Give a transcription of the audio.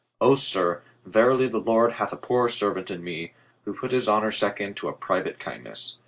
O, sir, verily the Lord hath a poor servant in me, who put his honor second to a private kindness.